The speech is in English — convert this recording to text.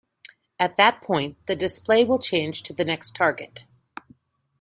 At that point the display will change to the next target.